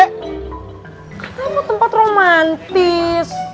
katanya mau tempat romantis